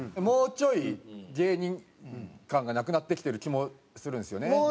もうちょい芸人感がなくなってきてる気もするんですよね。